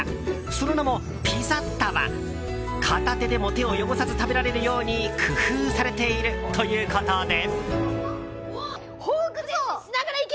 その名も、ピザッタは片手でも手を汚さず食べられるように工夫されているということで。